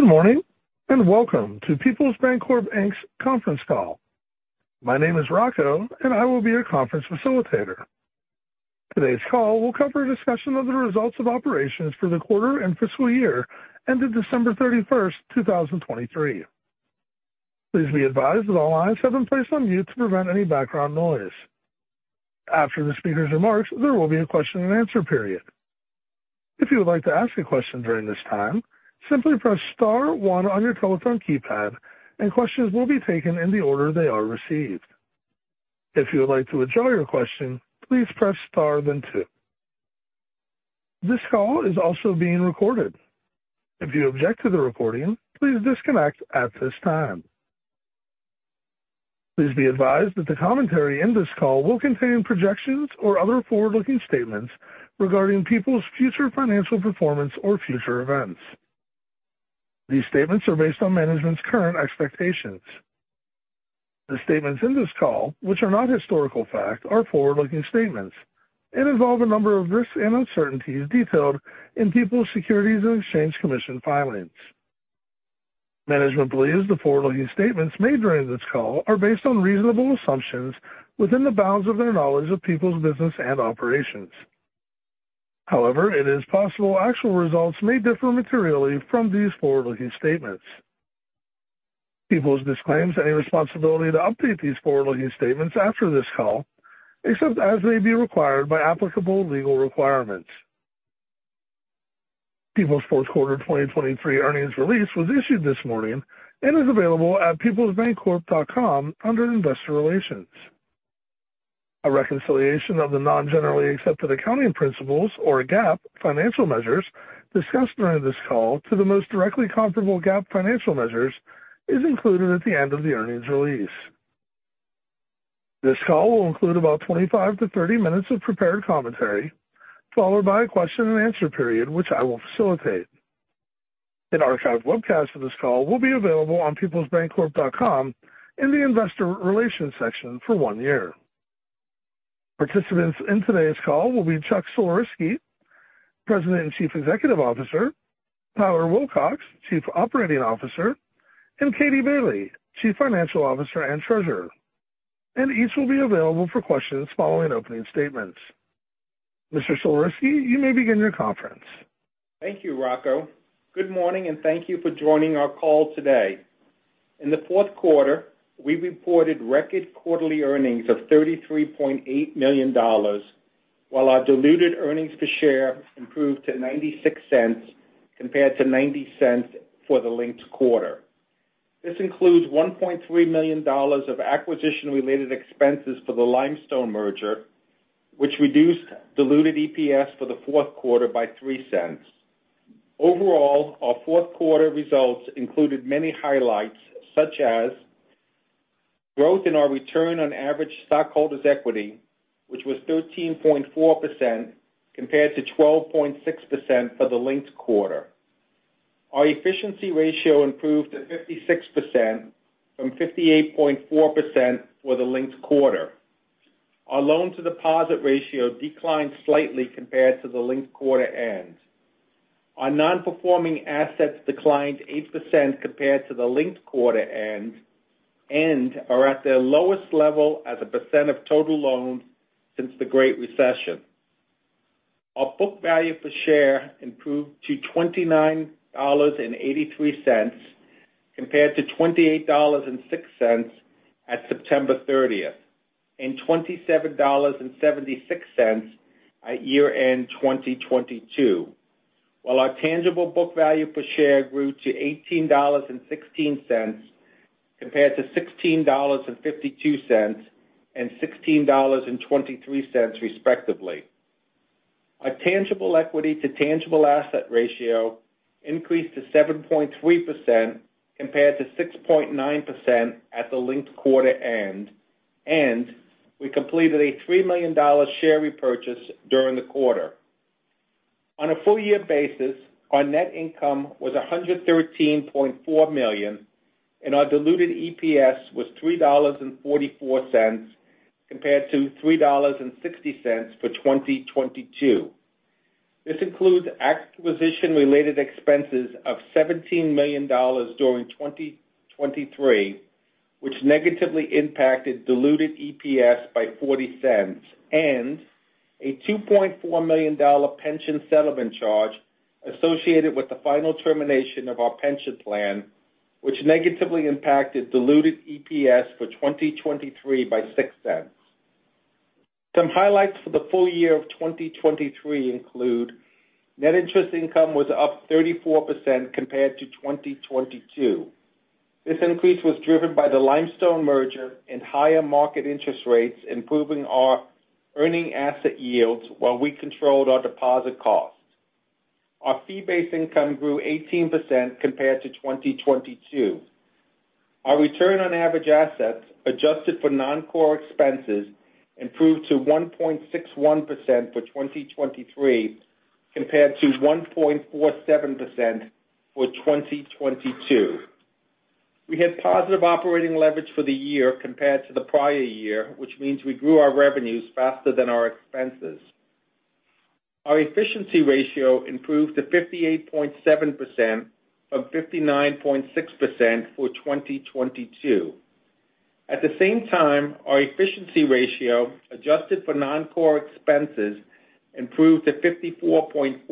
Good morning, and welcome to Peoples Bancorp Inc's conference call. My name is Rocco, and I will be your conference facilitator. Today's call will cover a discussion of the results of operations for the quarter and fiscal year ended December 31st, 2023. Please be advised that all lines have been placed on mute to prevent any background noise. After the speaker's remarks, there will be a question and answer period. If you would like to ask a question during this time, simply press star one on your telephone keypad, and questions will be taken in the order they are received. If you would like to withdraw your question, please press star, then two. This call is also being recorded. If you object to the recording, please disconnect at this time. Please be advised that the commentary in this call will contain projections or other forward-looking statements regarding Peoples' future financial performance or future events. These statements are based on management's current expectations. The statements in this call, which are not historical fact, are forward-looking statements and involve a number of risks and uncertainties detailed in Peoples' Securities and Exchange Commission filings. Management believes the forward-looking statements made during this call are based on reasonable assumptions within the bounds of their knowledge of Peoples' business and operations. However, it is possible actual results may differ materially from these forward-looking statements. Peoples disclaims any responsibility to update these forward-looking statements after this call, except as may be required by applicable legal requirements. Peoples' fourth quarter 2023 earnings release was issued this morning and is available at peoplesbancorp.com under Investor Relations. A reconciliation of the non-generally accepted accounting principles or GAAP financial measures discussed during this call to the most directly comparable GAAP financial measures is included at the end of the earnings release. This call will include about 25-30 minutes of prepared commentary, followed by a question and answer period, which I will facilitate. An archived webcast of this call will be available on peoplesbancorp.com in the Investor Relations section for one year. Participants in today's call will be Chuck Sulerzyski, President and Chief Executive Officer; Tyler Wilcox, Chief Operating Officer; and Katie Bailey, Chief Financial Officer and Treasurer, and each will be available for questions following opening statements. Mr. Sulerzyski, you may begin your conference. Thank you, Rocco. Good morning, and thank you for joining our call today. In the fourth quarter, we reported record quarterly earnings of $33.8 million, while our diluted earnings per share improved to $0.96 compared to $0.90 for the linked quarter. This includes $1.3 million of acquisition-related expenses for the Limestone merger, which reduced diluted EPS for the fourth quarter by $0.03. Overall, our fourth quarter results included many highlights, such as growth in our return on average stockholders' equity, which was 13.4%, compared to 12.6% for the linked quarter. Our efficiency ratio improved to 56% from 58.4% for the linked quarter. Our loan-to-deposit ratio declined slightly compared to the linked quarter end. Our non-performing assets declined 8% compared to the linked quarter end and are at their lowest level as a percent of total loans since the Great Recession. Our book value per share improved to $29.83, compared to $28.06 at September 30th, and $27.76 at year-end 2022. While our tangible book value per share grew to $18.16, compared to $16.52 and $16.23, respectively. Our tangible equity to tangible assets ratio increased to 7.3%, compared to 6.9% at the linked quarter end, and we completed a $3 million share repurchase during the quarter. On a full year basis, our net income was $113.4 million, and our diluted EPS was $3.44, compared to $3.60 for 2022. This includes acquisition-related expenses of $17 million during 2023, which negatively impacted diluted EPS by $0.40, and a $2.4 million pension settlement charge associated with the final termination of our pension plan, which negatively impacted diluted EPS for 2023 by $0.06. Some highlights for the full year of 2023 include net interest income was up 34% compared to 2022. This increase was driven by the Limestone merger and higher market interest rates, improving our earning asset yields while we controlled our deposit costs. Our fee-based income grew 18% compared to 2022. Our return on average assets, adjusted for non-core expenses, improved to 1.61% for 2023, compared to 1.47% for 2022. We had positive operating leverage for the year compared to the prior year, which means we grew our revenues faster than our expenses. Our efficiency ratio improved to 58.7% from 59.6% for 2022. At the same time, our efficiency ratio, adjusted for non-core expenses, improved to 54.4%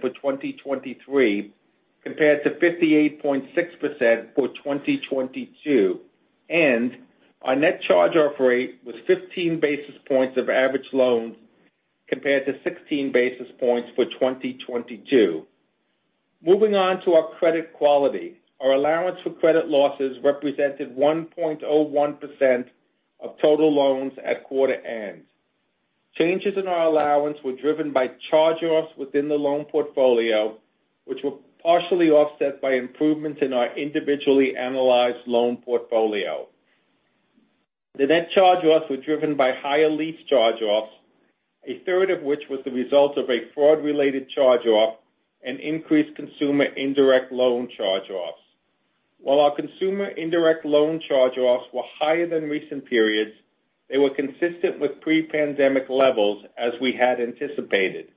for 2023, compared to 58.6% for 2022, and our net charge-off rate was 15 basis points of average loans, compared to 16 basis points for 2022. Moving on to our credit quality. Our allowance for credit losses represented 1.01% of total loans at quarter end. Changes in our allowance were driven by charge-offs within the loan portfolio, which were partially offset by improvements in our individually analyzed loan portfolio. The net charge-offs were driven by higher lease charge-offs, 1/3 of which was the result of a fraud-related charge-off and increased consumer indirect loan charge-offs. While our consumer indirect loan charge-offs were higher than recent periods, they were consistent with pre-pandemic levels, as we had anticipated.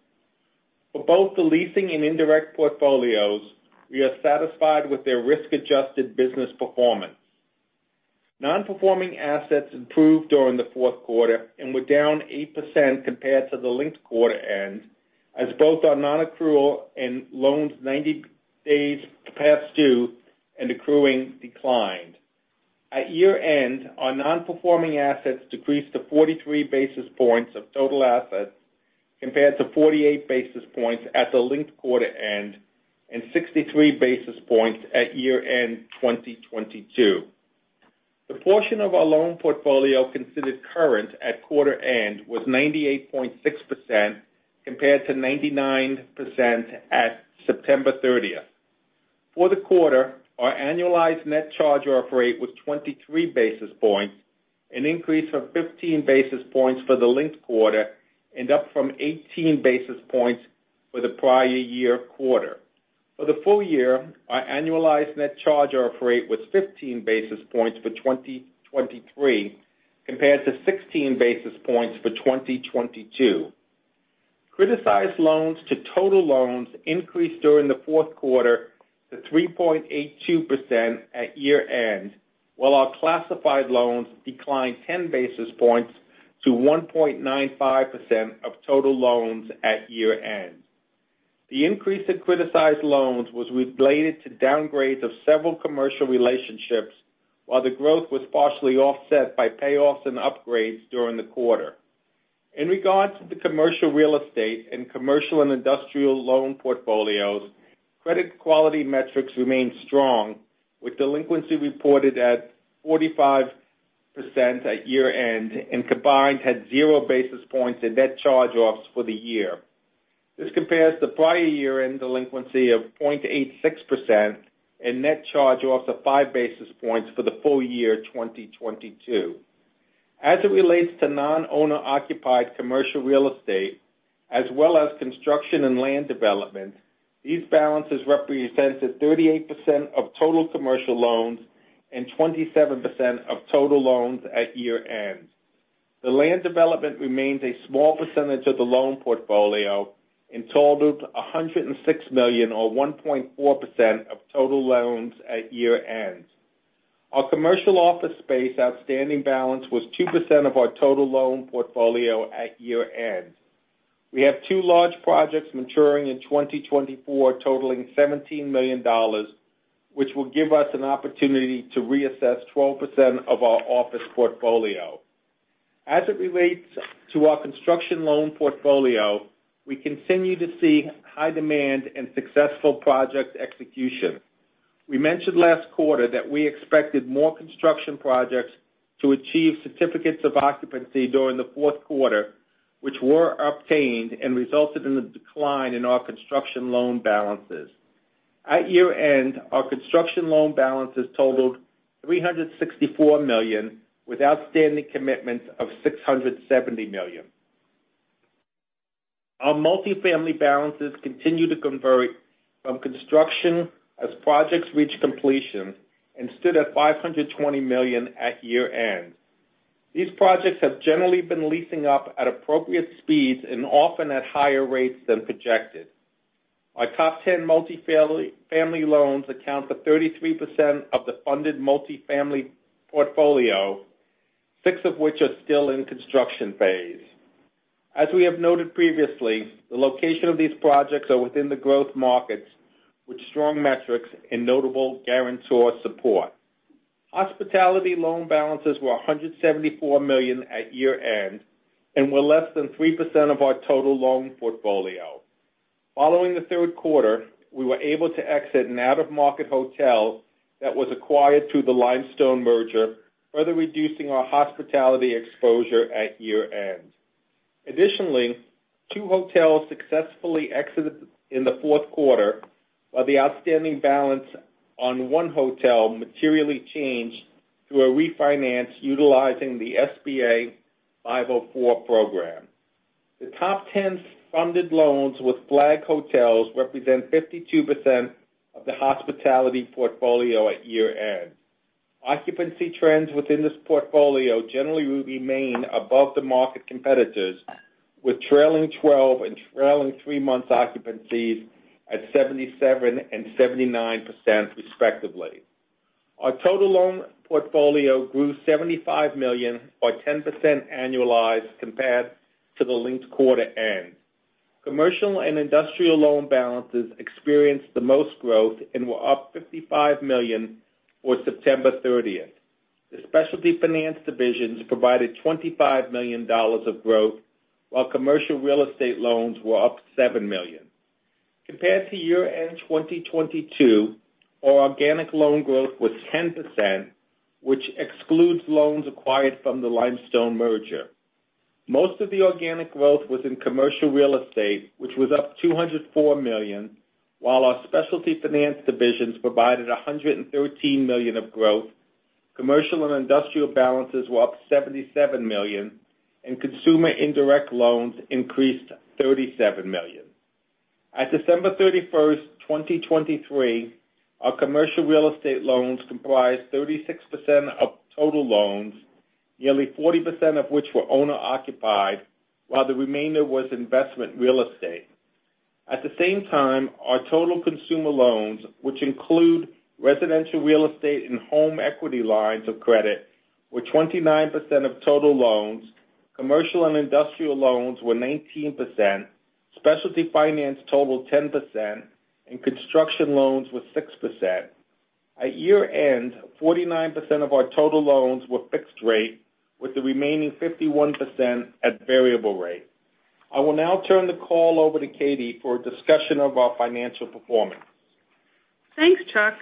For both the leasing and indirect portfolios, we are satisfied with their risk-adjusted business performance. Non-performing assets improved during the fourth quarter and were down 8% compared to the linked quarter end, as both our nonaccrual and loans 90 days past due and accruing declined. At year-end, our non-performing assets decreased to 43 basis points of total assets, compared to 48 basis points at the linked quarter end and 63 basis points at year-end 2022. The portion of our loan portfolio considered current at quarter end was 98.6%, compared to 99% at September 30th. For the quarter, our annualized net charge-off rate was 23 basis points, an increase of 15 basis points for the linked quarter, and up from 18 basis points for the prior year quarter. For the full year, our annualized net charge-off rate was 15 basis points for 2023, compared to 16 basis points for 2022. Criticized loans to total loans increased during the fourth quarter to 3.82% at year end, while our classified loans declined 10 basis points to 1.95% of total loans at year end. The increase in criticized loans was related to downgrades of several commercial relationships, while the growth was partially offset by payoffs and upgrades during the quarter. In regards to the commercial real estate and commercial and industrial loan portfolios, credit quality metrics remained strong, with delinquency reported at 45% at year end, and combined had 0 basis points in net charge-offs for the year. This compares to the prior year-end delinquency of 0.86% and net charge-offs of 5 basis points for the full year 2022. As it relates to non-owner-occupied commercial real estate, as well as construction and land development, these balances represented 38% of total commercial loans and 27% of total loans at year end. The land development remains a small percentage of the loan portfolio and totaled $106 million, or 1.4% of total loans at year end. Our commercial office space outstanding balance was 2% of our total loan portfolio at year end. We have two large projects maturing in 2024, totaling $17 million, which will give us an opportunity to reassess 12% of our office portfolio. As it relates to our construction loan portfolio, we continue to see high demand and successful project execution. We mentioned last quarter that we expected more construction projects to achieve certificates of occupancy during the fourth quarter, which were obtained and resulted in the decline in our construction loan balances. At year end, our construction loan balances totaled $364 million, with outstanding commitments of $670 million. Our multifamily balances continue to convert from construction as projects reach completion and stood at $520 million at year end. These projects have generally been leasing up at appropriate speeds and often at higher rates than projected. Our top 10 multifamily-family loans account for 33% of the funded multifamily portfolio, six of which are still in construction phase. As we have noted previously, the location of these projects are within the growth markets, with strong metrics and notable guarantor support. Hospitality loan balances were $174 million at year end and were less than 3% of our total loan portfolio. Following the third quarter, we were able to exit an out-of-market hotel that was acquired through the Limestone merger, further reducing our hospitality exposure at year end. Additionally, two hotels successfully exited in the fourth quarter, while the outstanding balance on one hotel materially changed through a refinance utilizing the SBA 504 program. The top 10 funded loans with flag hotels represent 52% of the hospitality portfolio at year-end. Occupancy trends within this portfolio generally will remain above the market competitors, with trailing twelve and trailing three months occupancies at 77% and 79%, respectively. Our total loan portfolio grew $75 million, or 10% annualized compared to the linked quarter end. Commercial and industrial loan balances experienced the most growth and were up $55 million for September 30th. The specialty finance divisions provided $25 million of growth, while commercial real estate loans were up $7 million. Compared to year-end 2022, our organic loan growth was 10%, which excludes loans acquired from the Limestone merger. Most of the organic growth was in commercial real estate, which was up $204 million, while our specialty finance divisions provided $113 million of growth. Commercial and industrial balances were up $77 million, and consumer indirect loans increased $37 million. At December 31st, 2023, our commercial real estate loans comprised 36% of total loans, nearly 40% of which were owner-occupied, while the remainder was investment real estate. At the same time, our total consumer loans, which include residential real estate and home equity lines of credit, were 29% of total loans. Commercial and industrial loans were 19%, specialty finance totaled 10%, and construction loans were 6%. At year end, 49% of our total loans were fixed rate, with the remaining 51% at variable rate. I will now turn the call over to Katie for a discussion of our financial performance. Thanks, Chuck.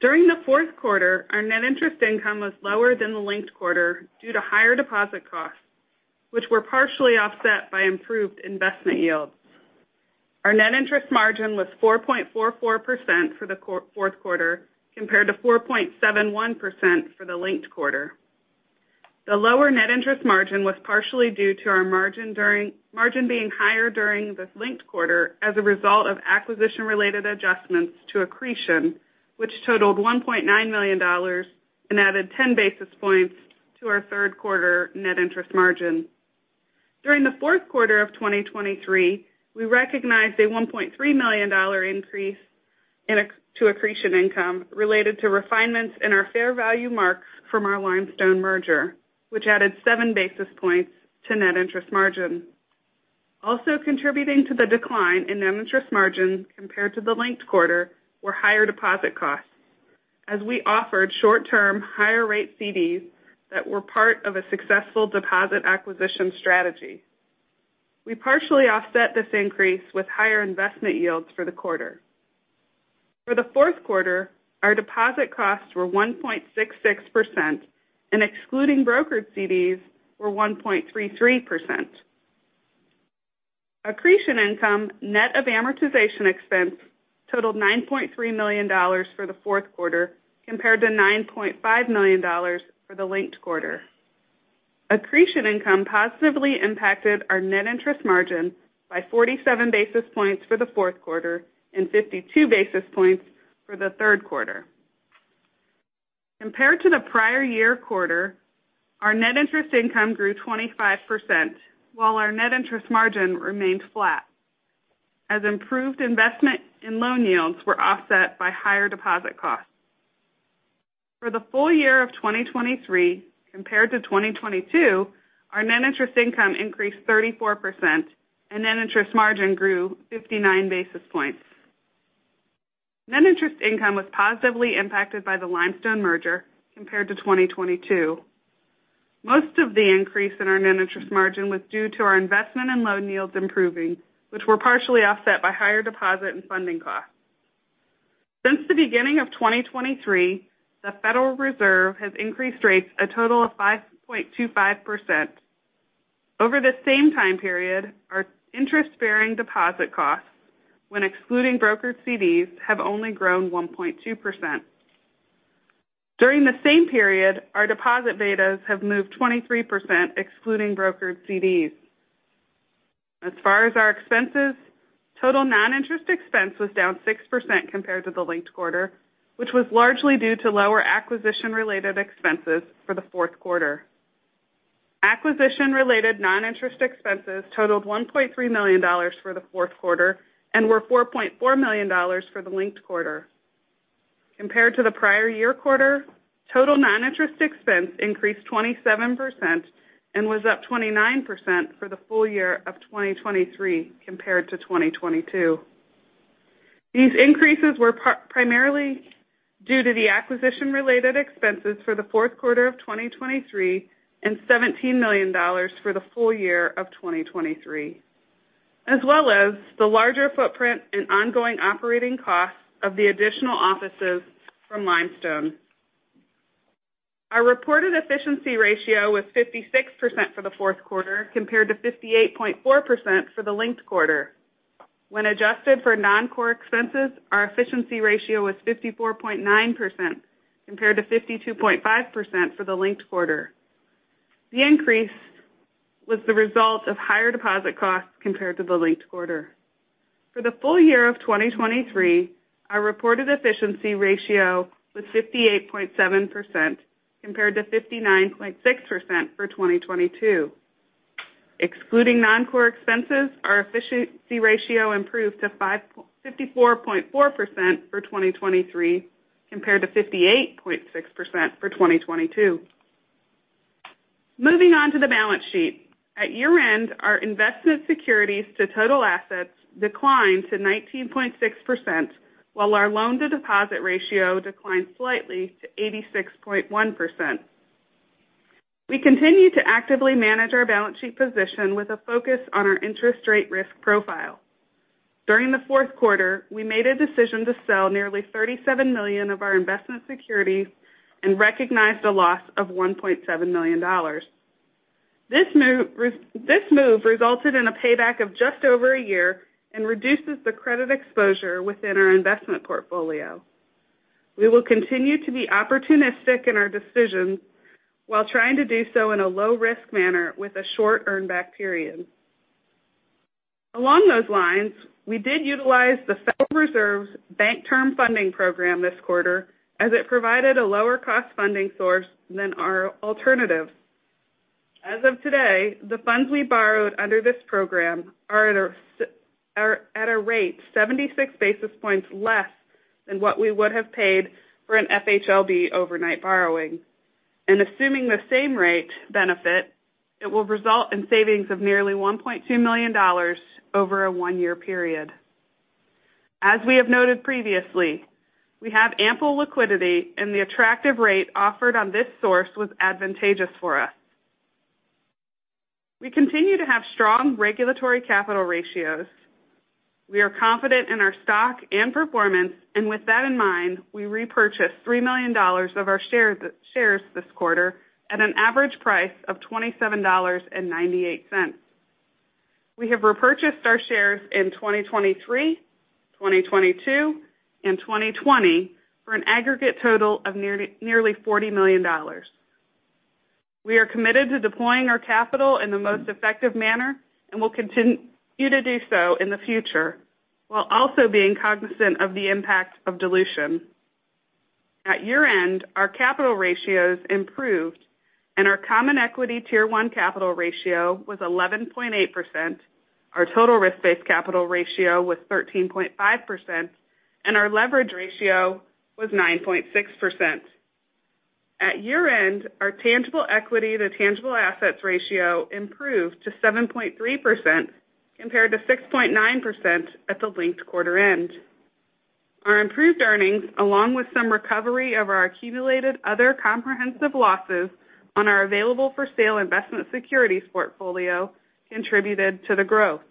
During the fourth quarter, our net interest income was lower than the linked quarter due to higher deposit costs, which were partially offset by improved investment yields. Our net interest margin was 4.44% for the fourth quarter, compared to 4.71% for the linked quarter. The lower net interest margin was partially due to our margin being higher during this linked quarter as a result of acquisition-related adjustments to accretion, which totaled $1.9 million and added 10 basis points to our third quarter net interest margin. During the fourth quarter of 2023, we recognized a $1.3 million increase in accretion income related to refinements in our fair value marks from our Limestone merger, which added 7 basis points to net interest margin. Also contributing to the decline in net interest margin compared to the linked quarter were higher deposit costs, as we offered short-term, higher rate CDs that were part of a successful deposit acquisition strategy. We partially offset this increase with higher investment yields for the quarter. For the fourth quarter, our deposit costs were 1.66%, and excluding brokered CDs, were 1.33%. Accretion income, net of amortization expense, totaled $9.3 million for the fourth quarter, compared to $9.5 million for the linked quarter. Accretion income positively impacted our net interest margin by 47 basis points for the fourth quarter and 52 basis points for the third quarter. Compared to the prior year quarter, our net interest income grew 25%, while our net interest margin remained flat, as improved investment and loan yields were offset by higher deposit costs. For the full year of 2023 compared to 2022, our net interest income increased 34% and net interest margin grew 59 basis points. Net interest income was positively impacted by the Limestone merger compared to 2022. Most of the increase in our net interest margin was due to our investment and loan yields improving, which were partially offset by higher deposit and funding costs. Since the beginning of 2023, the Federal Reserve has increased rates a total of 5.25%. Over the same time period, our interest-bearing deposit costs, when excluding brokered CDs, have only grown 1.2%. During the same period, our deposit betas have moved 23%, excluding brokered CDs. As far as our expenses, total non-interest expense was down 6% compared to the linked quarter, which was largely due to lower acquisition-related expenses for the fourth quarter. Acquisition-related non-interest expenses totaled $1.3 million for the fourth quarter and were $4.4 million for the linked quarter. Compared to the prior year quarter, total non-interest expense increased 27% and was up 29% for the full year of 2023 compared to 2022. These increases were primarily due to the acquisition-related expenses for the fourth quarter of 2023 and $17 million for the full year of 2023, as well as the larger footprint and ongoing operating costs of the additional offices from Limestone. Our reported efficiency ratio was 56% for the fourth quarter, compared to 58.4% for the linked quarter. When adjusted for non-core expenses, our efficiency ratio was 54.9%, compared to 52.5% for the linked quarter. The increase was the result of higher deposit costs compared to the linked quarter. For the full year of 2023, our reported efficiency ratio was 58.7%, compared to 59.6% for 2022. Excluding non-core expenses, our efficiency ratio improved to 54.4% for 2023, compared to 58.6% for 2022. Moving on to the balance sheet. At year end, our investment securities to total assets declined to 19.6%, while our loan-to-deposit ratio declined slightly to 86.1%. We continue to actively manage our balance sheet position with a focus on our interest rate risk profile. During the fourth quarter, we made a decision to sell nearly 37 million of our investment securities and recognized a loss of $1.7 million. This move resulted in a payback of just over a year and reduces the credit exposure within our investment portfolio. We will continue to be opportunistic in our decisions, while trying to do so in a low-risk manner with a short earn-back period. Along those lines, we did utilize the Federal Reserve's Bank Term Funding Program this quarter, as it provided a lower cost funding source than our alternative. As of today, the funds we borrowed under this program are at a rate 76 basis points less than what we would have paid for an FHLB overnight borrowing. Assuming the same rate benefit, it will result in savings of nearly $1.2 million over a 1-year period. As we have noted previously, we have ample liquidity, and the attractive rate offered on this source was advantageous for us. We continue to have strong regulatory capital ratios. We are confident in our stock and performance, and with that in mind, we repurchased $3 million of our shares this quarter at an average price of $27.98. We have repurchased our shares in 2023, 2022, and 2020, for an aggregate total of nearly $40 million. We are committed to deploying our capital in the most effective manner and will continue to do so in the future, while also being cognizant of the impact of dilution. At year end, our capital ratios improved, and our Common Equity Tier 1 capital ratio was 11.8%, our total risk-based capital ratio was 13.5%, and our leverage ratio was 9.6%. At year end, our tangible equity to tangible assets ratio improved to 7.3%, compared to 6.9% at the linked quarter end. Our improved earnings, along with some recovery of our accumulated other comprehensive losses on our available-for-sale investment securities portfolio, contributed to the growth.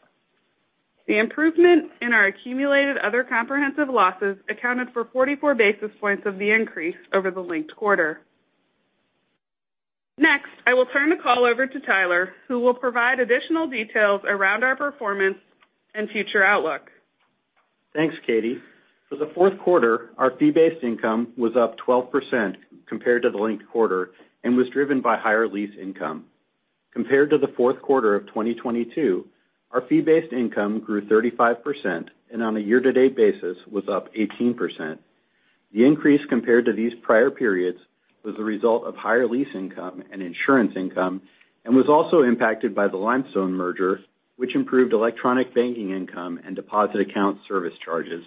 The improvement in our accumulated other comprehensive losses accounted for 44 basis points of the increase over the linked quarter. Next, I will turn the call over to Tyler, who will provide additional details around our performance and future outlook. Thanks, Katie. For the fourth quarter, our fee-based income was up 12% compared to the linked quarter and was driven by higher lease income. Compared to the fourth quarter of 2022, our fee-based income grew 35%, and on a year-to-date basis, was up 18%. The increase compared to these prior periods was the result of higher lease income and insurance income and was also impacted by the Limestone merger, which improved electronic banking income and deposit account service charges.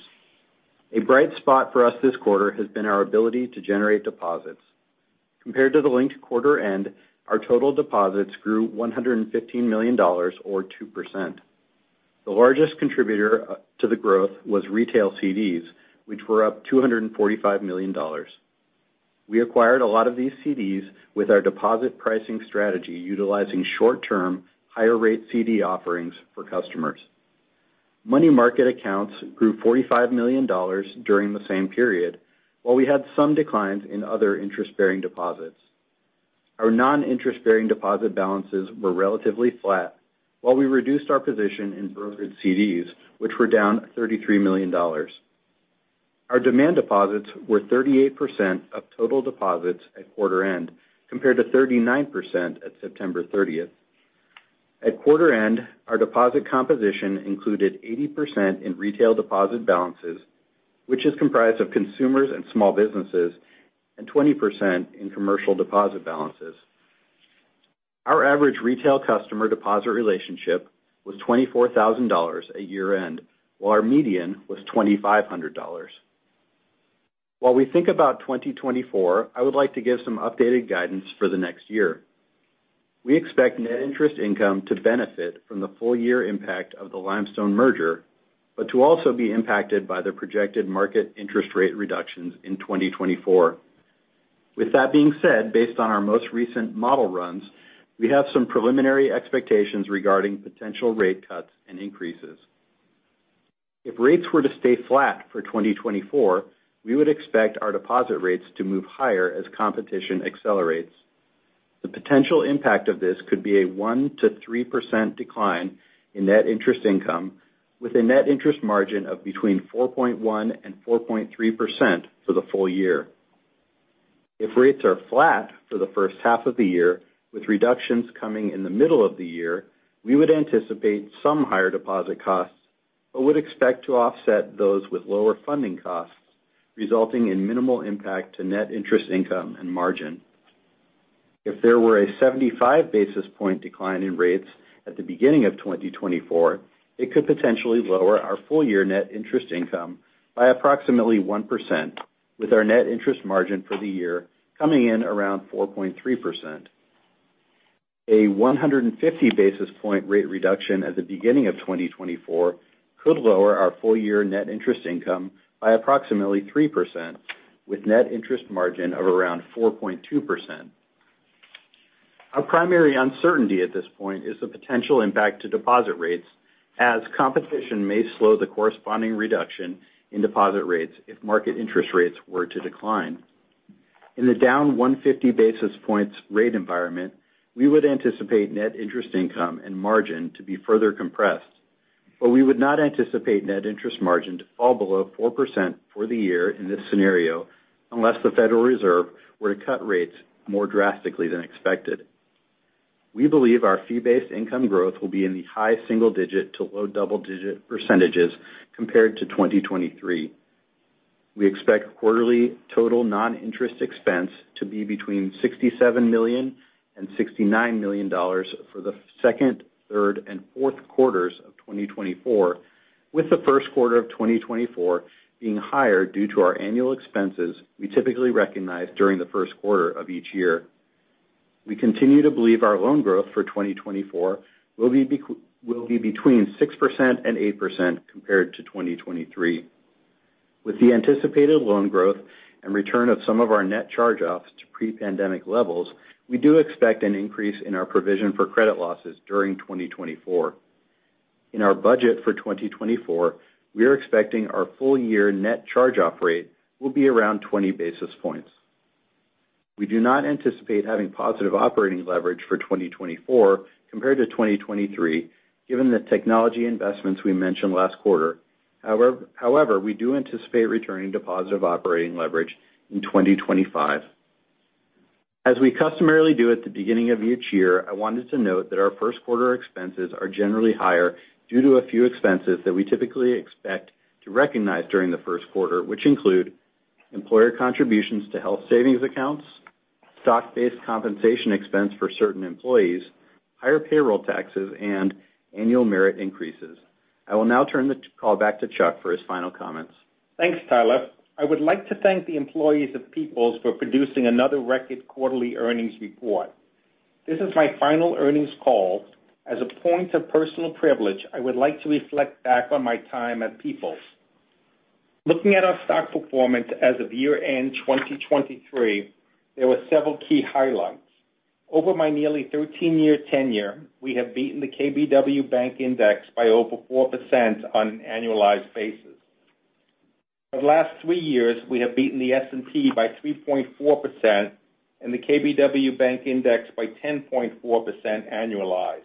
A bright spot for us this quarter has been our ability to generate deposits. Compared to the linked quarter end, our total deposits grew $115 million or 2%. The largest contributor to the growth was retail CDs, which were up $245 million. We acquired a lot of these CDs with our deposit pricing strategy, utilizing short-term, higher-rate CD offerings for customers. Money market accounts grew $45 million during the same period, while we had some declines in other interest-bearing deposits. Our non-interest-bearing deposit balances were relatively flat, while we reduced our position in brokered CDs, which were down $33 million. Our demand deposits were 38% of total deposits at quarter end, compared to 39% at September 30th. At quarter end, our deposit composition included 80% in retail deposit balances, which is comprised of consumers and small businesses, and 20% in commercial deposit balances. Our average retail customer deposit relationship was $24,000 at year end, while our median was $2,500. While we think about 2024, I would like to give some updated guidance for the next year. We expect net interest income to benefit from the full year impact of the Limestone merger, but to also be impacted by the projected market interest rate reductions in 2024. With that being said, based on our most recent model runs, we have some preliminary expectations regarding potential rate cuts and increases. If rates were to stay flat for 2024, we would expect our deposit rates to move higher as competition accelerates. The potential impact of this could be a 1%-3% decline in net interest income, with a net interest margin of between 4.1% and 4.3% for the full year. If rates are flat for the first half of the year, with reductions coming in the middle of the year, we would anticipate some higher deposit costs, but would expect to offset those with lower funding costs, resulting in minimal impact to net interest income and margin. If there were a 75 basis point decline in rates at the beginning of 2024, it could potentially lower our full year net interest income by approximately 1%, with our net interest margin for the year coming in around 4.3%. A 150-basis point rate reduction at the beginning of 2024 could lower our full year net interest income by approximately 3%, with net interest margin of around 4.2%. Our primary uncertainty at this point is the potential impact to deposit rates, as competition may slow the corresponding reduction in deposit rates if market interest rates were to decline. In the down 150 basis points rate environment, we would anticipate net interest income and margin to be further compressed, but we would not anticipate net interest margin to fall below 4% for the year in this scenario, unless the Federal Reserve were to cut rates more drastically than expected. We believe our fee-based income growth will be in the high single-digit to low double-digit percentages compared to 2023. We expect quarterly total non-interest expense to be between $67 million and $69 million for the second, third, and fourth quarters of 2024, with the first quarter of 2024 being higher due to our annual expenses we typically recognize during the first quarter of each year. We continue to believe our loan growth for 2024 will be between 6% and 8% compared to 2023. With the anticipated loan growth and return of some of our net charge-offs to pre-pandemic levels, we do expect an increase in our provision for credit losses during 2024. In our budget for 2024, we are expecting our full year net charge-off rate will be around 20 basis points. We do not anticipate having positive operating leverage for 2024 compared to 2023, given the technology investments we mentioned last quarter. However, we do anticipate returning to positive operating leverage in 2025. As we customarily do at the beginning of each year, I wanted to note that our first quarter expenses are generally higher due to a few expenses that we typically expect to recognize during the first quarter, which include employer contributions to health savings accounts, stock-based compensation expense for certain employees, higher payroll taxes, and annual merit increases. I will now turn the call back to Chuck for his final comments. Thanks, Tyler. I would like to thank the employees of Peoples for producing another record quarterly earnings report. This is my final earnings call. As a point of personal privilege, I would like to reflect back on my time at Peoples. Looking at our stock performance as of year-end 2023, there were several key highlights. Over my nearly 13-year tenure, we have beaten the KBW Bank Index by over 4% on an annualized basis. For the last three years, we have beaten the S&P by 3.4% and the KBW Bank Index by 10.4% annualized.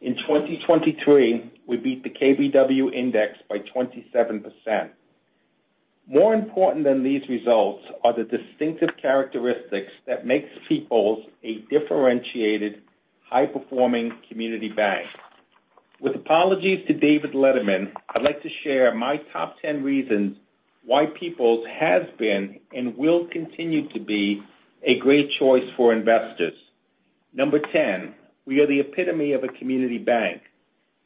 In 2023, we beat the KBW Bank Index by 27%. More important than these results are the distinctive characteristics that makes Peoples a differentiated, high-performing community bank. With apologies to David Letterman, I'd like to share my top ten reasons why Peoples has been and will continue to be a great choice for investors. Number ten, we are the epitome of a community bank.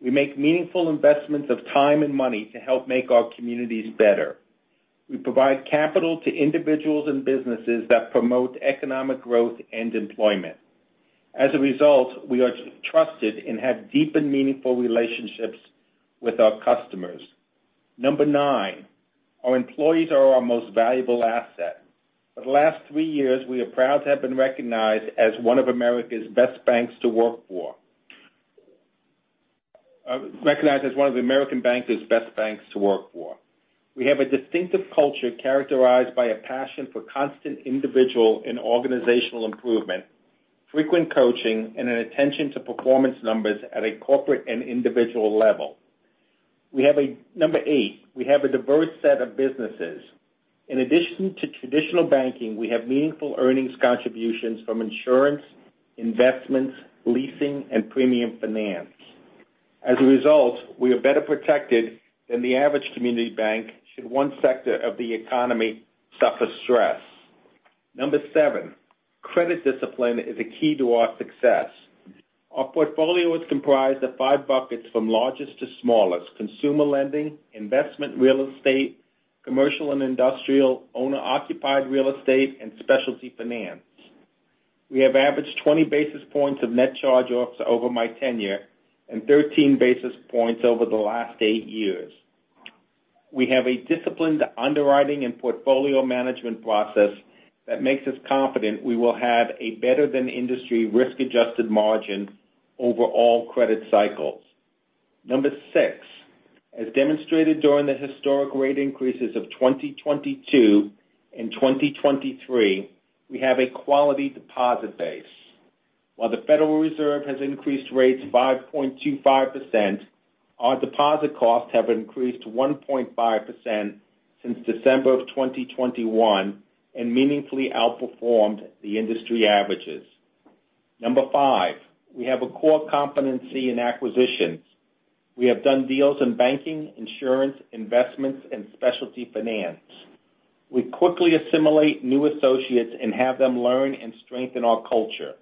We make meaningful investments of time and money to help make our communities better. We provide capital to individuals and businesses that promote economic growth and employment. As a result, we are trusted and have deep and meaningful relationships with our customers. Number nine, our employees are our most valuable asset. For the last three years, we are proud to have been recognized as one of America's Best Banks to Work For. Recognized as one of the American Banker’s Best Banks to Work For. We have a distinctive culture characterized by a passion for constant individual and organizational improvement, frequent coaching, and an attention to performance numbers at a corporate and individual level. Number eight, we have a diverse set of businesses. In addition to traditional banking, we have meaningful earnings contributions from insurance, investments, leasing, and premium finance. As a result, we are better protected than the average community bank should one sector of the economy suffer stress. Number seven, credit discipline is a key to our success. Our portfolio is comprised of five buckets from largest to smallest: consumer lending, investment real estate, commercial and industrial, owner-occupied real estate, and specialty finance. We have averaged 20 basis points of net charge-offs over my tenure, and 13 basis points over the last eight years. We have a disciplined underwriting and portfolio management process that makes us confident we will have a better-than-industry risk-adjusted margin over all credit cycles. Number six, as demonstrated during the historic rate increases of 2022 and 2023, we have a quality deposit base. While the Federal Reserve has increased rates 5.25%, our deposit costs have increased 1.5% since December of 2021 and meaningfully outperformed the industry averages. Number five, we have a core competency in acquisitions. We have done deals in banking, insurance, investments and specialty finance. We quickly assimilate new associates and have them learn and strengthen our culture.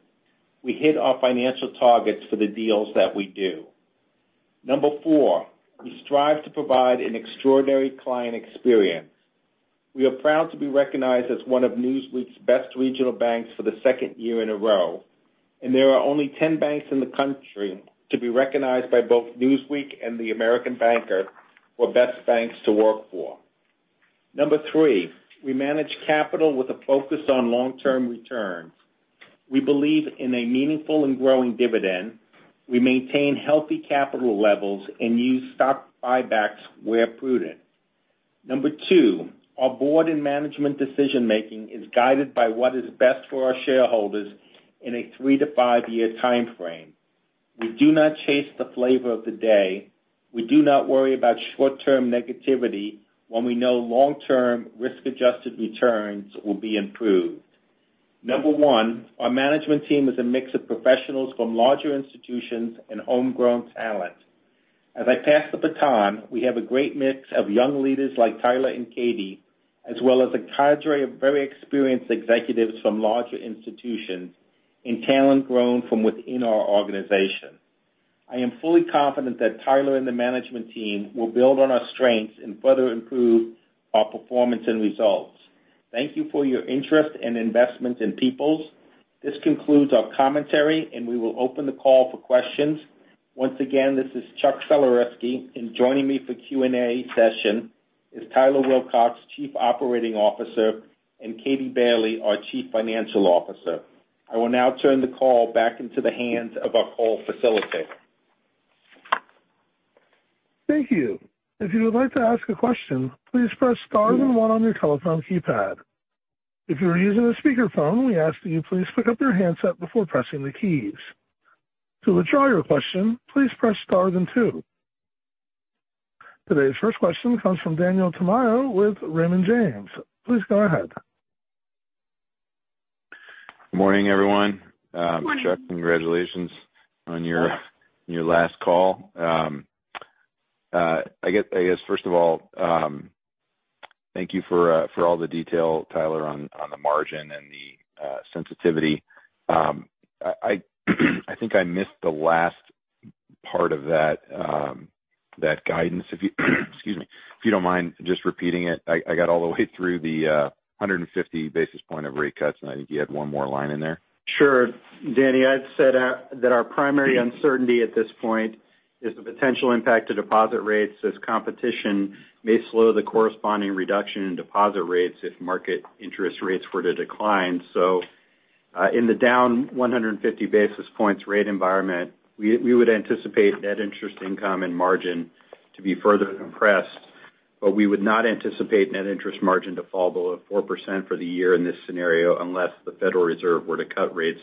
We hit our financial targets for the deals that we do. Number four, we strive to provide an extraordinary client experience. We are proud to be recognized as one of Newsweek's Best Regional Banks for the second year in a row, and there are only 10 banks in the country to be recognized by both Newsweek and the American Banker for best banks to work for. Number three, we manage capital with a focus on long-term returns. We believe in a meaningful and growing dividend. We maintain healthy capital levels and use stock buybacks where prudent. Number two, our board and management decision-making is guided by what is best for our shareholders in a three- to five-year time frame. We do not chase the flavor of the day. We do not worry about short-term negativity when we know long-term risk-adjusted returns will be improved. Number one, our management team is a mix of professionals from larger institutions and homegrown talent. As I pass the baton, we have a great mix of young leaders like Tyler and Katie, as well as a cadre of very experienced executives from larger institutions and talent grown from within our organization. I am fully confident that Tyler and the management team will build on our strengths and further improve our performance and results. Thank you for your interest and investment in Peoples. This concludes our commentary, and we will open the call for questions. Once again, this is Chuck Sulerzyski, and joining me for Q&A session is Tyler Wilcox, Chief Operating Officer, and Katie Bailey, our Chief Financial Officer. I will now turn the call back into the hands of our call facilitator. Thank you. If you would like to ask a question, please press star and one on your telephone keypad. If you are using a speakerphone, we ask that you please pick up your handset before pressing the keys. To withdraw your question, please press star then two. Today's first question comes from Daniel Tamayo with Raymond James. Please go ahead. Good morning, everyone. Good morning. Chuck, congratulations on your last call. I guess first of all, thank you for all the detail, Tyler, on the margin and the sensitivity. I think I missed the last part of that guidance. Excuse me, if you don't mind just repeating it. I got all the way through the 150 basis point of rate cuts, and I think you had one more line in there. Sure, Danny. I'd said that our primary uncertainty at this point is the potential impact to deposit rates, as competition may slow the corresponding reduction in deposit rates if market interest rates were to decline. So, in the down 150 basis points rate environment, we would anticipate net interest income and margin to be further compressed, but we would not anticipate net interest margin to fall below 4% for the year in this scenario, unless the Federal Reserve were to cut rates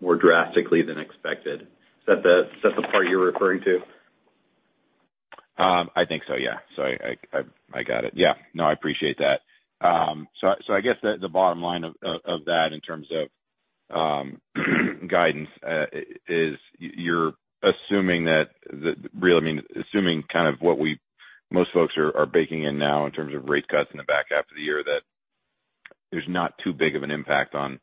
more drastically than expected. Is that that's the part you're referring to? I think so, yeah. So I got it. Yeah. No, I appreciate that. So I guess the bottom line of that in terms of guidance is you're assuming that the real... I mean, assuming kind of what we, most folks are baking in now in terms of rate cuts in the back half of the year, that there's not too big of an impact on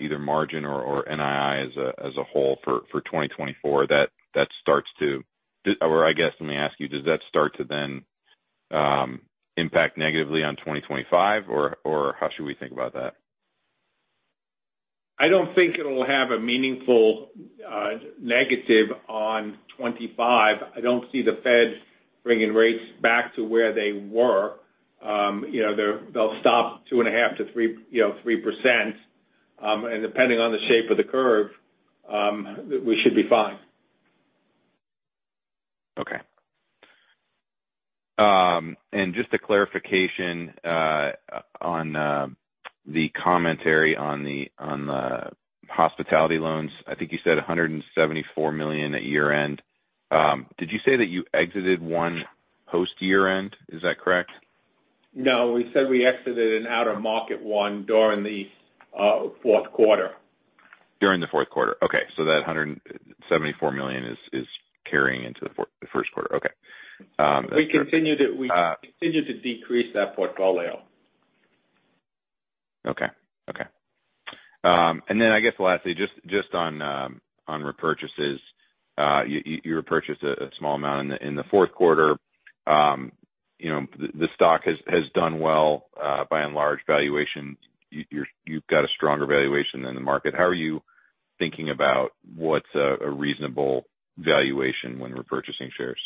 either margin or NII as a whole for 2024. Or I guess, let me ask you, does that start to then impact negatively on 2025, or how should we think about that? I don't think it'll have a meaningful negative on 25. I don't see the Feds bringing rates back to where they were. You know, they're, they'll stop 2.5%-3%, you know, 3%. And depending on the shape of the curve, we should be fine. Okay. And just a clarification on the commentary on the hospitality loans. I think you said $174 million at year-end. Did you say that you exited one post-year-end? Is that correct? No, we said we exited an out-of-market one during the fourth quarter. During the fourth quarter. Okay, so that $174 million is carrying into the first quarter. Okay. We continue to- Uh. We continue to decrease that portfolio. Okay. Okay. And then I guess lastly, just on repurchases. You repurchased a small amount in the fourth quarter. You know, the stock has done well by and large valuation. You've got a stronger valuation than the market. How are you thinking about what's a reasonable valuation when repurchasing shares?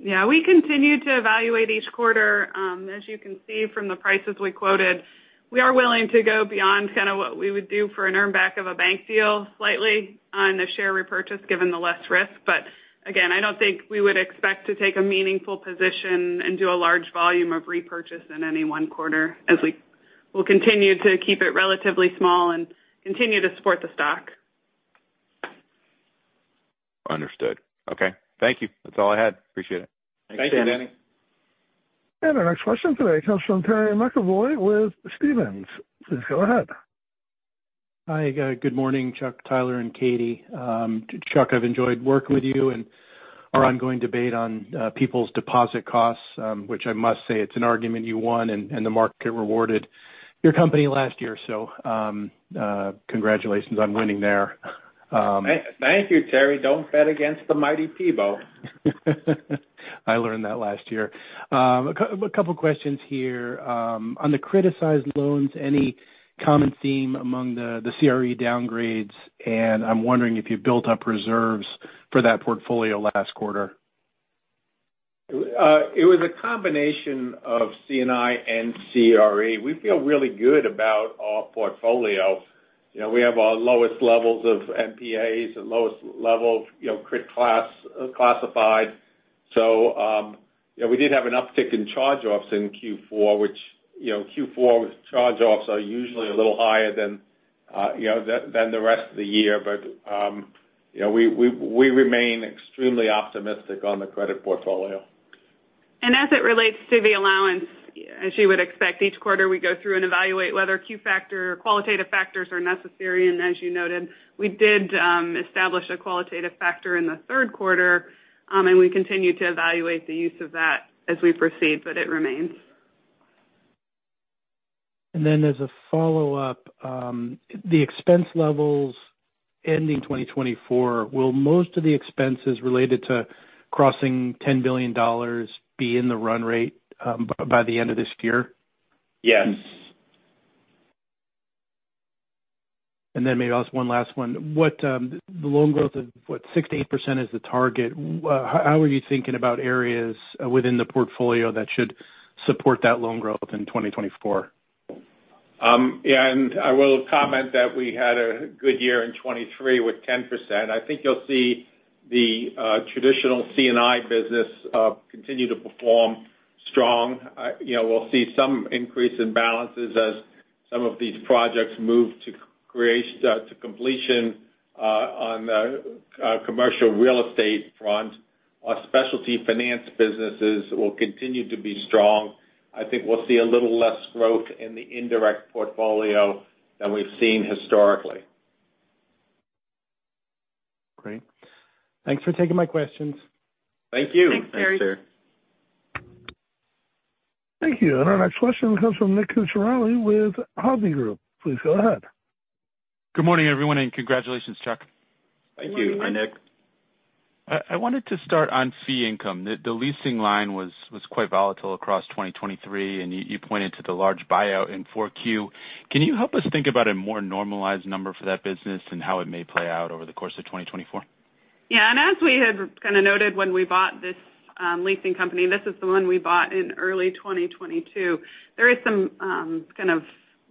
Yeah, we continue to evaluate each quarter. As you can see from the prices we quoted, we are willing to go beyond kind of what we would do for an earn back of a bank deal slightly on the share repurchase, given the less risk. But again, I don't think we would expect to take a meaningful position and do a large volume of repurchase in any one quarter. We'll continue to keep it relatively small and continue to support the stock. Understood. Okay. Thank you. That's all I had. Appreciate it. Thank you, Danny. Our next question today comes from Terry McEvoy with Stephens. Please go ahead. Hi, good morning, Chuck, Tyler, and Katie. Chuck, I've enjoyed working with you and our ongoing debate on Peoples' deposit costs, which I must say it's an argument you won and the market rewarded your company last year. So, congratulations on winning there. Thank you, Terry. Don't bet against the mighty PEBO. I learned that last year. A couple questions here. On the criticized loans, any common theme among the CRE downgrades? And I'm wondering if you've built up reserves for that portfolio last quarter. It was a combination of C&I and CRE. We feel really good about our portfolio. You know, we have our lowest levels of NPAs and lowest level, you know, criticized classified. So, you know, we did have an uptick in charge-offs in Q4, which, you know, Q4 charge-offs are usually a little higher than the rest of the year. But, you know, we remain extremely optimistic on the credit portfolio. As it relates to the allowance, as you would expect, each quarter we go through and evaluate whether Q Factor or qualitative factors are necessary, and as you noted, we did establish a qualitative factor in the third quarter. We continue to evaluate the use of that as we proceed, but it remains. And then as a follow-up, the expense levels ending 2024, will most of the expenses related to crossing $10 billion be in the run rate by the end of this year? Yes. Maybe ask one last one. What, the loan growth of what, 6%-8% is the target, how are you thinking about areas within the portfolio that should support that loan growth in 2024? I will comment that we had a good year in 2023 with 10%. I think you'll see the traditional C&I business continue to perform strong. You know, we'll see some increase in balances as some of these projects move to construction to completion on the commercial real estate front. Our specialty finance businesses will continue to be strong. I think we'll see a little less growth in the indirect portfolio than we've seen historically. Great. Thanks for taking my questions. Thank you. Thanks, Terry. Thank you, and our next question comes from Nick Cucharale with Hovde Group. Please go ahead. Good morning, everyone, and congratulations, Chuck. Thank you. Hi, Nick. I wanted to start on fee income. The leasing line was quite volatile across 2023, and you pointed to the large buyout in Q4. Can you help us think about a more normalized number for that business and how it may play out over the course of 2024? Yeah, and as we had kind of noted when we bought this leasing company, this is the one we bought in early 2022, there is some kind of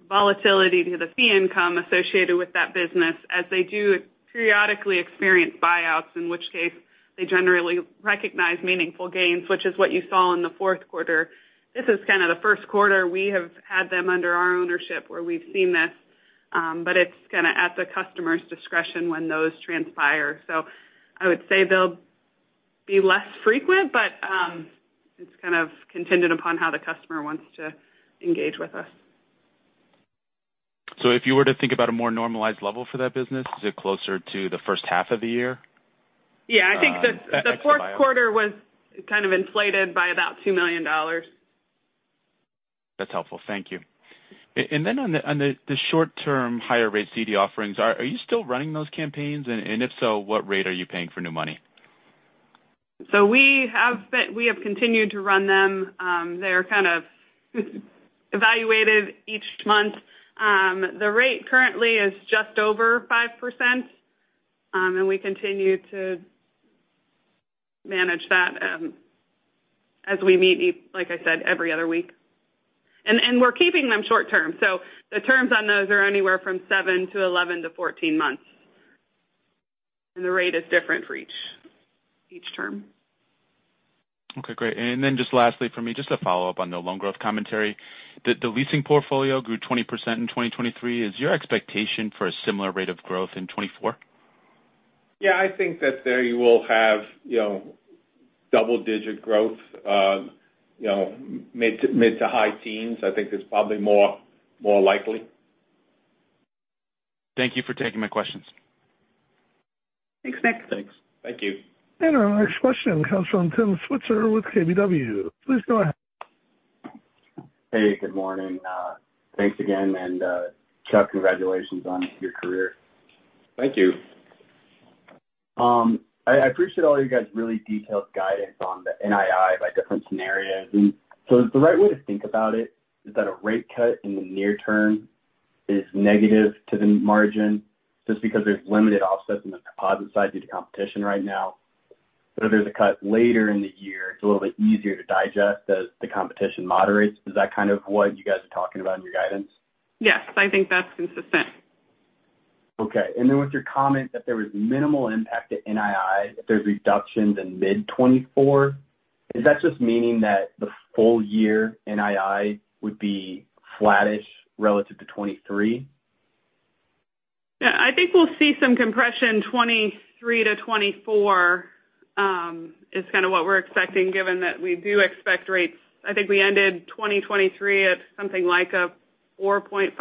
volatility to the fee income associated with that business as they do periodically experience buyouts, in which case they generally recognize meaningful gains, which is what you saw in the fourth quarter. This is kind of the first quarter we have had them under our ownership, where we've seen this, but it's kind of at the customer's discretion when those transpire. So I would say they'll be less frequent, but it's kind of contingent upon how the customer wants to engage with us. If you were to think about a more normalized level for that business, is it closer to the first half of the year? Yeah, I think the- The extra buyout. The fourth quarter was kind of inflated by about $2 million. That's helpful. Thank you. And then on the short term, higher rate CD offerings, are you still running those campaigns? And if so, what rate are you paying for new money? So we have continued to run them. They are kind of evaluated each month. The rate currently is just over 5%, and we continue to manage that, as we meet, like I said, every other week. And we're keeping them short term, so the terms on those are anywhere from seven to 11 to 14 months. And the rate is different for each term. Okay, great. And then just lastly for me, just to follow up on the loan growth commentary. The leasing portfolio grew 20% in 2023. Is your expectation for a similar rate of growth in 2024? Yeah, I think that there you will have, you know, double-digit growth, you know, mid- to high teens. I think is probably more likely. Thank you for taking my questions. Thanks, Nick. Thanks. Thank you. Our next question comes from Tim Switzer with KBW. Please go ahead. Hey, good morning. Thanks again, and, Chuck, congratulations on your career. Thank you. I appreciate all you guys' really detailed guidance on the NII by different scenarios. And so the right way to think about it is that a rate cut in the near term is negative to the margin, just because there's limited offsets in the deposit side due to competition right now. But if there's a cut later in the year, it's a little bit easier to digest as the competition moderates. Is that kind of what you guys are talking about in your guidance? Yes, I think that's consistent. Okay. And then with your comment that there was minimal impact to NII, if there's reductions in mid-2024, is that just meaning that the full year NII would be flattish relative to 2023? Yeah, I think we'll see some compression 2023 to 2024, is kind of what we're expecting, given that we do expect rates. I think we ended 2023 at something like a 4.5%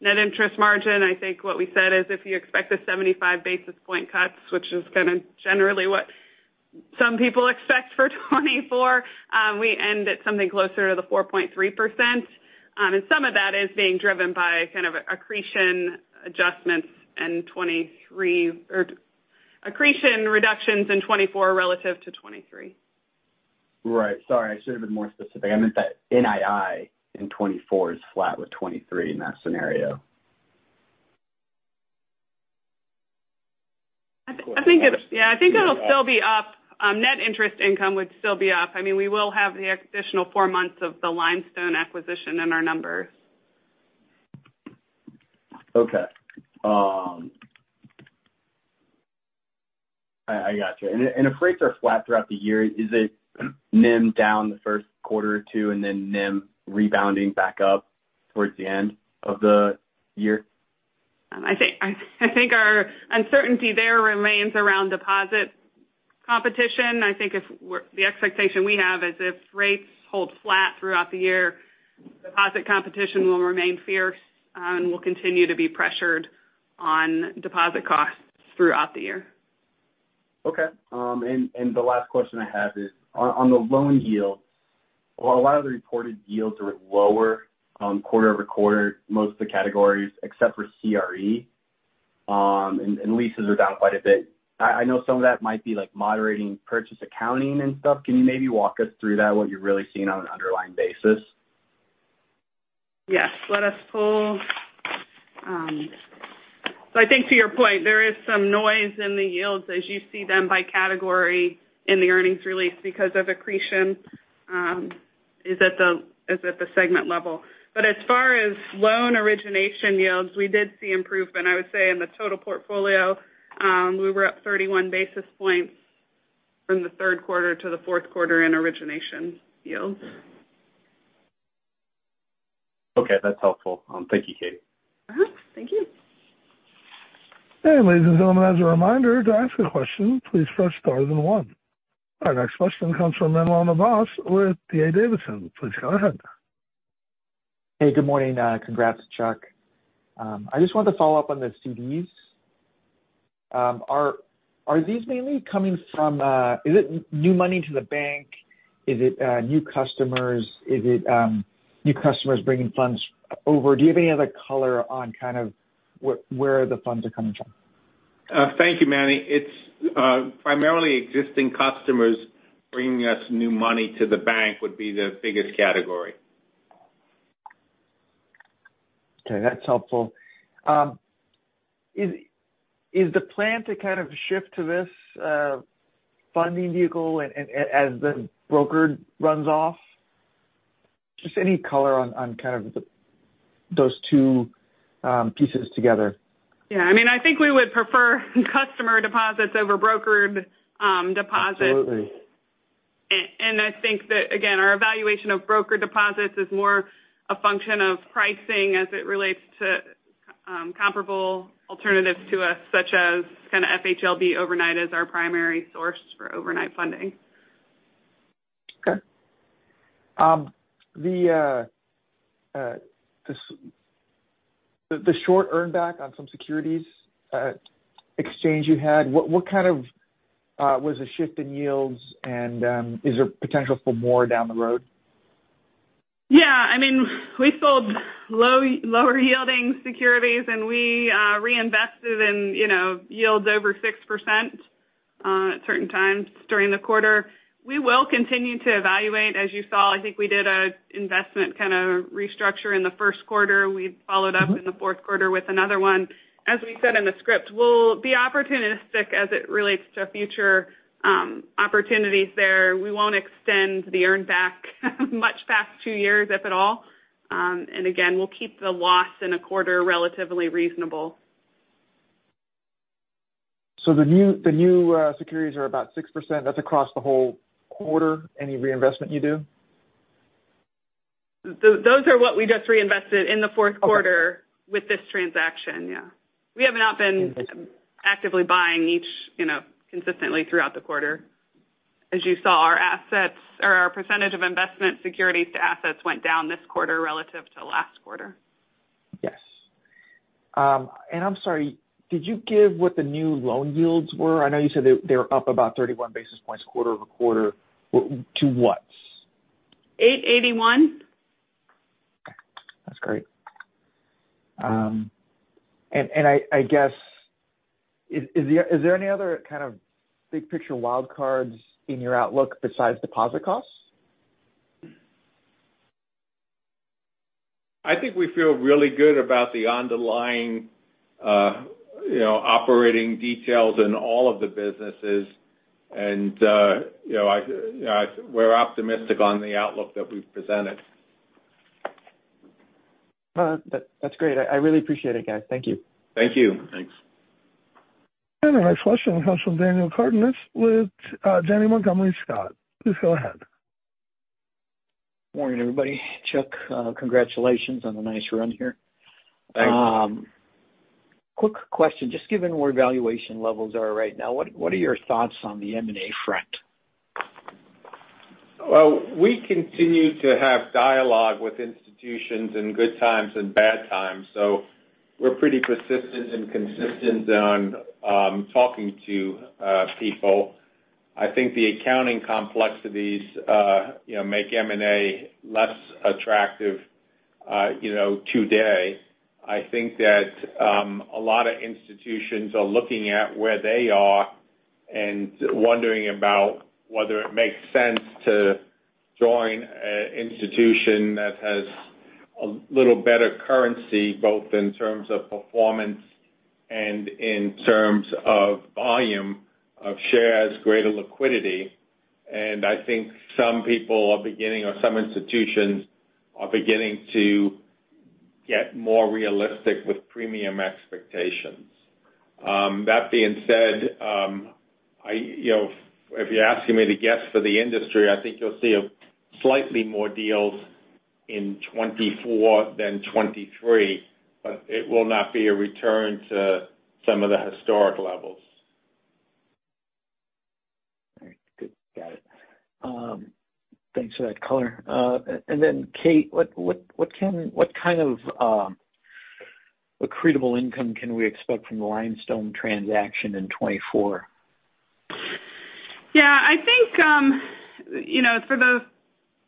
net interest margin. I think what we said is, if you expect a 75 basis point cuts, which is kind of generally what some people expect for 2024, we end at something closer to the 4.3%. And some of that is being driven by kind of accretion adjustments in 2023 or accretion reductions in 2024 relative to 2023. Right. Sorry, I should have been more specific. I meant that NII in 2024 is flat with 2023 in that scenario. Yeah, I think it'll still be up. Net interest income would still be up. I mean, we will have the additional four months of the Limestone acquisition in our numbers. Okay. I got you. And if rates are flat throughout the year, is it NIM down the first quarter or two, and then NIM rebounding back up towards the end of the year? I think, I think our uncertainty there remains around deposit competition. I think if we're the expectation we have is if rates hold flat throughout the year, deposit competition will remain fierce, and we'll continue to be pressured on deposit costs throughout the year. Okay. And the last question I have is on the loan yields. A lot of the reported yields are lower quarter-over-quarter, most of the categories, except for CRE and leases, are down quite a bit. I know some of that might be like moderating purchase accounting and stuff. Can you maybe walk us through that, what you're really seeing on an underlying basis? Yes. Let us pull. So I think to your point, there is some noise in the yields as you see them by category in the earnings release because of accretion is at the, is at the segment level. But as far as loan origination yields, we did see improvement. I would say in the total portfolio, we were up 31 basis points from the third quarter to the fourth quarter in origination yields. Okay. That's helpful. Thank you, Katie. Uh-huh, thank you. Hey, ladies and gentlemen, as a reminder, to ask a question, please press star then one. Our next question comes from Manuel Navas with D.A. Davidson. Please go ahead. Hey, good morning. Congrats, Chuck. I just wanted to follow up on the CDs. Are these mainly coming from... Is it new money to the bank? Is it new customers? Is it new customers bringing funds over? Do you have any other color on kind of where the funds are coming from? Thank you, Manny. It's primarily existing customers bringing us new money to the bank would be the biggest category. Okay, that's helpful. Is the plan to kind of shift to this funding vehicle and as the broker runs off? Just any color on kind of those two pieces together? Yeah, I mean, I think we would prefer customer deposits over brokered deposits. Absolutely. I think that, again, our evaluation of broker deposits is more a function of pricing as it relates to comparable alternatives to us, such as kind of FHLB overnight as our primary source for overnight funding. Okay. The short earn back on some securities exchange you had, what kind of was the shift in yields and is there potential for more down the road? Yeah, I mean, we sold lower-yielding securities, and we reinvested in, you know, yields over 6%, at certain times during the quarter. We will continue to evaluate. As you saw, I think we did a investment kind of restructure in the first quarter. We followed up- Mm-hmm.... in the fourth quarter with another one. As we said in the script, we'll be opportunistic as it relates to future, opportunities there. We won't extend the earn back much past two years, if at all. And again, we'll keep the loss in a quarter relatively reasonable. So the new securities are about 6%. That's across the whole quarter, any reinvestment you do? Those are what we just reinvested in the fourth quarter. Okay.... with this transaction, yeah. We have not been- Thank you.... actively buying each, you know, consistently throughout the quarter. As you saw, our assets or our percentage of investment securities to assets went down this quarter relative to last quarter. Yes. And I'm sorry, did you give what the new loan yields were? I know you said they, they were up about 31 basis points quarter-over-quarter. To what? Eight eighty-one. That's great. And I guess, is there any other kind of big picture wild cards in your outlook besides deposit costs? I think we feel really good about the underlying, you know, operating details in all of the businesses... and, you know, we're optimistic on the outlook that we've presented. That, that's great. I really appreciate it, guys. Thank you. Thank you. Thanks. Our next question comes from Daniel Cardenas with Janney Montgomery Scott. Please go ahead. Morning, everybody. Chuck, congratulations on the nice run here. Thank you. Quick question. Just given where valuation levels are right now, what are your thoughts on the M&A front? Well, we continue to have dialogue with institutions in good times and bad times, so we're pretty persistent and consistent on, talking to, people. I think the accounting complexities, you know, make M&A less attractive, you know, today. I think that, a lot of institutions are looking at where they are and wondering about whether it makes sense to join a institution that has a little better currency, both in terms of performance and in terms of volume of shares, greater liquidity. And I think some people are beginning, or some institutions are beginning to get more realistic with premium expectations. That being said, you know, if you're asking me to guess for the industry, I think you'll see slightly more deals in 2024 than 2023, but it will not be a return to some of the historic levels. All right, good. Got it. Thanks for that color. And then, Kate, what kind of accretable income can we expect from the Limestone transaction in 2024? Yeah, I think, you know, for the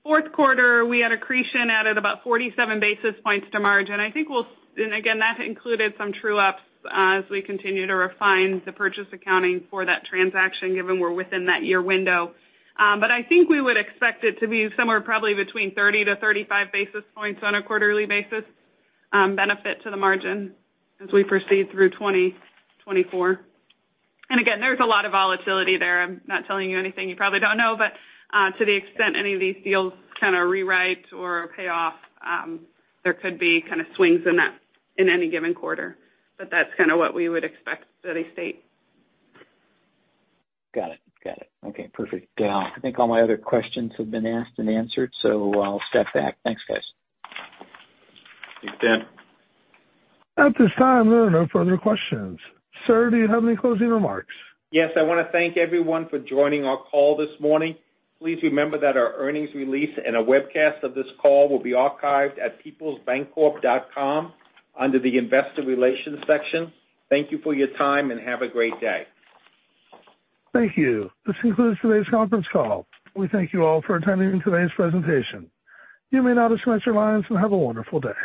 fourth quarter, we had accretion added about 47 basis points to margin. I think we'll... And again, that included some true ups as we continue to refine the purchase accounting for that transaction, given we're within that year window. But I think we would expect it to be somewhere probably between 30-35 basis points on a quarterly basis, benefit to the margin as we proceed through 2024. And again, there's a lot of volatility there. I'm not telling you anything you probably don't know, but, to the extent any of these deals kind of rewrite or pay off, there could be kind of swings in that in any given quarter. But that's kind of what we would expect at steady state. Got it. Got it. Okay, perfect. I think all my other questions have been asked and answered, so I'll step back. Thanks, guys. Thanks, Dan. At this time, there are no further questions. Sir, do you have any closing remarks? Yes, I want to thank everyone for joining our call this morning. Please remember that our earnings release and a webcast of this call will be archived at peoplesbancorp.com under the Investor Relations section. Thank you for your time, and have a great day. Thank you. This concludes today's conference call. We thank you all for attending today's presentation. You may now disconnect your lines, and have a wonderful day.